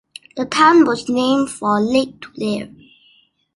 The town was named for Lake Tulare.